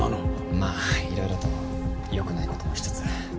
まぁいろいろと良くないこともしつつ。